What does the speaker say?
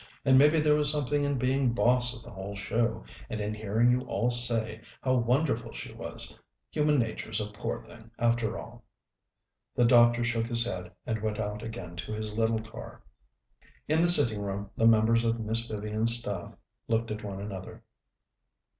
And maybe there was something in being boss of the whole show, and in hearing you all say how wonderful she was human nature's a poor thing, after all." The doctor shook his head and went out again to his little car. In the sitting room the members of Miss Vivian's staff looked at one another.